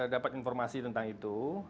dapat informasi tentang itu